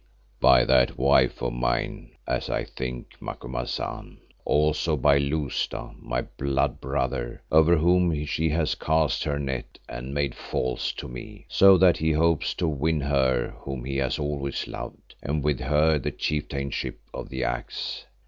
"By that wife of mine, as I think, Macumazahn. Also by Lousta, my blood brother, over whom she has cast her net and made false to me, so that he hopes to win her whom he has always loved and with her the Chieftainship of the Axe.